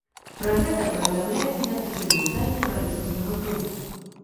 Пра гэта паведамляецца на афіцыйным сайце барысаўскага клуба.